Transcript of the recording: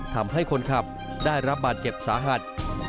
ทำให้คนขับได้รับบาดเจ็บสาหัส